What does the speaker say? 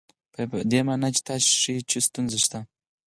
په دې مانا چې تاسې ښيئ چې ستونزه شته.